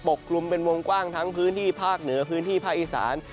กลุ่มเป็นวงกว้างทั้งพื้นที่ภาคเหนือพื้นที่ภาคอีสาน